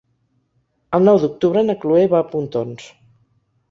El nou d'octubre na Chloé va a Pontons.